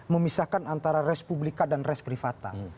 memisahkan antara res publika dan res privata